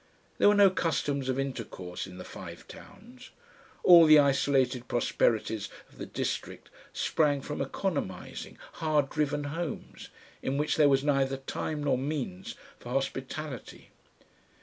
There were no customs of intercourse in the Five Towns. All the isolated prosperities of the district sprang from economising, hard driven homes, in which there was neither time nor means for hospitality.